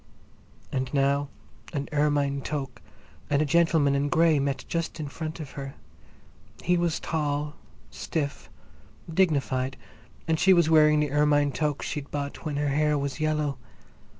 And now an ermine toque and a gentleman in grey met just in front of her. He was tall, stiff, dignified, and she was wearing the ermine toque she'd bought when her hair was yellow.